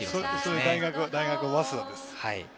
大学は早稲田です。